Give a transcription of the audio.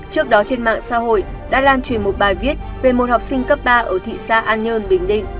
trước đó trên mạng xã hội đã lan truyền một bài viết về một học sinh cấp ba ở thị xã an nhơn bình định